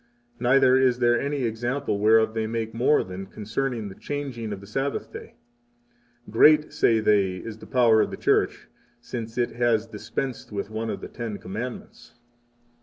Neither is there any example whereof they make more than concerning the changing of the Sabbath day. Great, say they, is the power of the Church, since it has dispensed with one of the Ten Commandments!